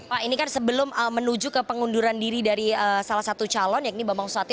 pak ini kan sebelum menuju ke pengunduran diri dari salah satu calon yakni bambang susatyo